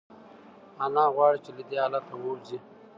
انا غواړي چې له دې حالته ووځي.